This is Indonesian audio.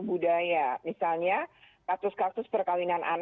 budaya misalnya status status perkawinan